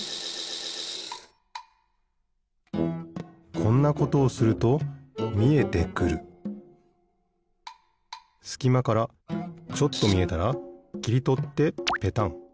こんなことをするとみえてくるすきまからちょっとみえたらきりとってペタン。